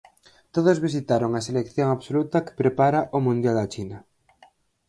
Todos visitaron a selección absoluta que prepara o mundial da China.